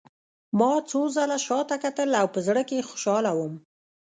ما څو ځله شا ته کتل او په زړه کې خوشحاله وم